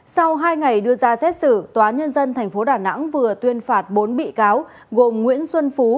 sau hai ngày đưa ra xét xử tòa nhân dân tp đà nẵng vừa tuyên phạt bốn bị cáo gồm nguyễn xuân phú